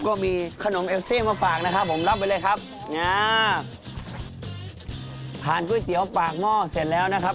ก็มีขนมเอลซี่มาฝากนะครับผมรับไปเลยครับง้าผ่านก๋วยเตี๋ยวปากหม้อเสร็จแล้วนะครับ